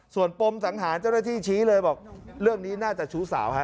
ส่วนปมสังหารเจ้าหน้าที่ชี้เลยบอกเรื่องนี้น่าจะชู้สาวฮะ